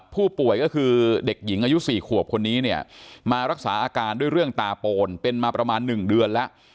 ผู้ป่วยก็คือเด็กหญิงอายุ๔ขวบคนนี้เนี่ยมารักษาอาการด้วยเรื่องตาโปนเป็นมาประมาณ๑เดือนแล้ว